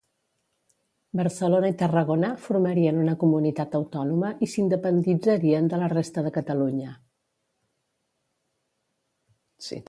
Barcelona i Tarragona formarien una comunitat autònoma i s'independitzarien de la resta de Catalunya.